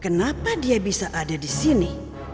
kenapa dia bisa ada di sini